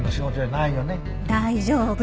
大丈夫。